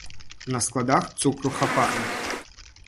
На складах цукру хапае.